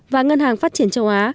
và ngân hàng phát triển châu á